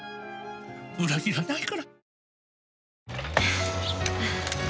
「裏切らないから」